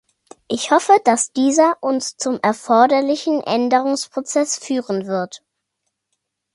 Ich hoffe, dass dieser uns zum erforderlichen Änderungsprozess führen wird.